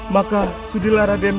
maka sudilah raden